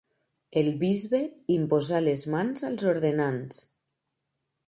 El bisbe imposà les mans als ordenands.